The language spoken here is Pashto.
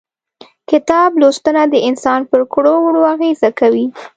کتاب لوستنه د انسان پر کړو وړو اغيزه کوي.